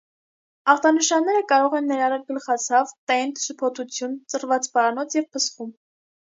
Ախտանշանները կարող են ներառել՝ գլխացավ, տենդ, շփոթություն, ծռված պարանոց և փսխում։